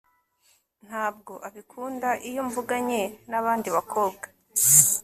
Ntabwo abikunda iyo mvuganye nabandi bakobwa